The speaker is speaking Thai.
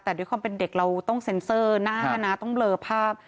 แต่ด้วยความเป็นเด็กเราต้องเซ็นเซอร์หน้านะต้องเบลอภาพ